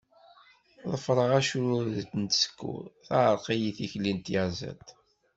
Ḍefreɣ acrured n tsekkurt, teɛreq-iyi tikli n tyaẓiḍt.